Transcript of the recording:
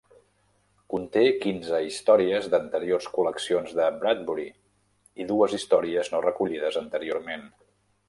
Conté quinze històries d'anteriors col·leccions de Bradbury, i dues històries no recollides anteriorment.